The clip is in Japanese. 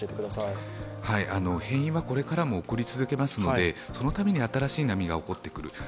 変異はこれからも起こり続けますのでそのたびに新しい波が起こってくる。